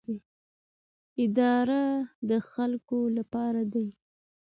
ادارې د خلکو لپاره دي